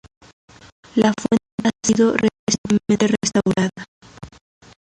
La fuente ha sido recientemente restaurada.